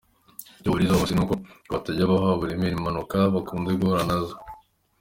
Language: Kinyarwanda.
Icyo bahurizaho bose ni uko ngo batajya baha uburemere impanuka bakunze guhura nazo.